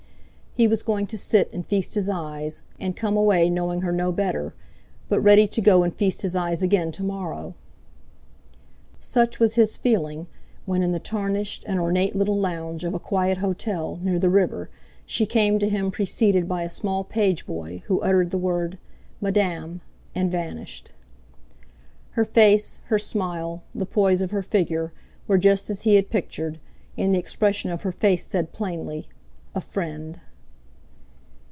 He was going to sit and feast his eyes, and come away knowing her no better, but ready to go and feast his eyes again to morrow. Such was his feeling, when in the tarnished and ornate little lounge of a quiet hotel near the river she came to him preceded by a small page boy who uttered the word, "Madame," and vanished. Her face, her smile, the poise of her figure, were just as he had pictured, and the expression of her face said plainly: "A friend!"